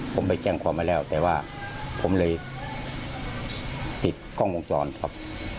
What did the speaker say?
ผมไปแจ้งความไว้แล้วแต่ว่าผมเลยติดกล้องวงจรปิดครับ